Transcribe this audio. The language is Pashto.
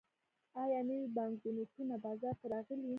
آیا نوي بانکنوټونه بازار ته راغلي؟